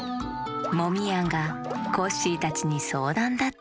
モミヤンがコッシーたちにそうだんだって！